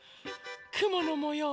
くものもよう。